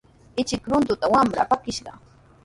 Ishkay runtuta wamra pakishqa.